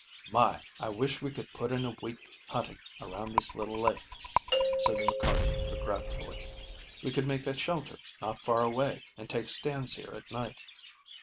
"My, I wish we could put in a week hunting around this little lake," said McCarty regretfully. "We could make a shelter not far away and take stands here at night.